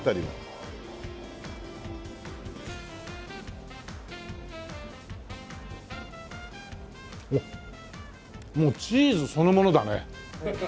うわっもうチーズそのものだね。